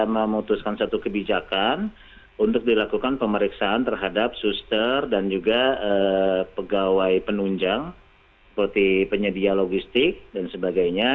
memutuskan satu kebijakan untuk dilakukan pemeriksaan terhadap suster dan juga pegawai penunjang seperti penyedia logistik dan sebagainya